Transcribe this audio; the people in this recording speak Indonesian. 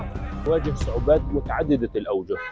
seberatnya penyelenggaraan dan penyelenggaraan di daerah kita